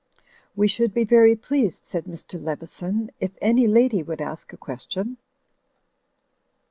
"We should be very pleased," said Mr. Leveson, "if any lady would ask a question."